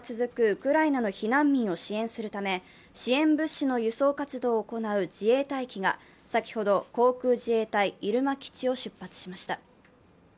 ウクライナの避難民を支援するため支援物資の輸送活動を行う自衛隊機が先ほど航空自衛隊入間基地を出発しました。